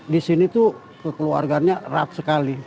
di sini tuh kekeluargaannya rap sekali